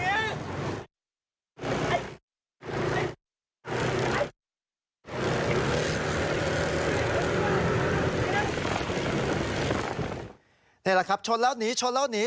นี่แหละครับชนแล้วหนีชนแล้วหนี